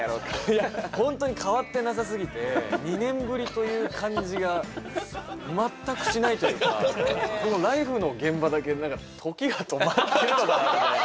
いや本当に変わってなさすぎて２年ぶりという感じが全くしないというかこの「ＬＩＦＥ！」の現場だけ何か時が止まってるのかなみたいな。